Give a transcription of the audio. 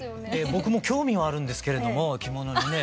僕も興味はあるんですけれども着物にね。